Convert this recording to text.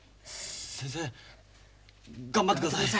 先生頑張って下さい。